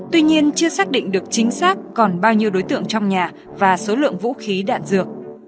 tuy nhiên chưa xác định được chính xác còn bao nhiêu đối tượng trong nhà và số lượng vũ khí đạn dược